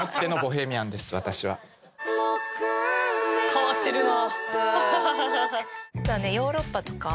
変わってるわ。